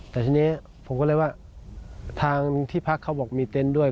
แต่ทีนี้ผมก็เลยว่าทางที่พักเขาบอกมีเต็นต์ด้วย